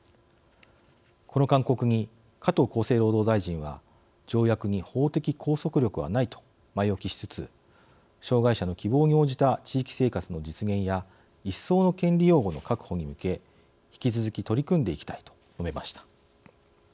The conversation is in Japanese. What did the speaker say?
この勧告に加藤厚生労働大臣は「条約に法的拘束力はない」と前置きしつつ「障害者の希望に応じた地域生活の実現や一層の権利擁護の確保に向け引き続き取り組んでいきたい」と述べました。